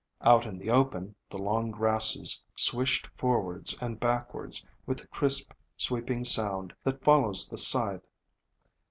Out in the open the long grasses swished forwards and backwards with the crisp, sweeping sound that fol lows the scythe.